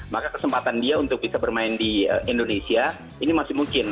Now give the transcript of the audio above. maka kesempatan dia untuk bisa bermain di indonesia ini masih mungkin